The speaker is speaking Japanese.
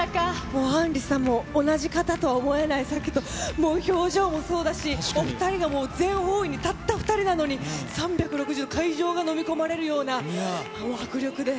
もうアンリさんも、同じ方とは思えない、さっきと、もう表情もそうだし、お２人のもう、全方位に、たった２人なのに、３６０度、会場が飲み込まれるよ